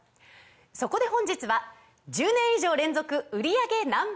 そこで本日は１０年以上連続売り上げＮｏ．１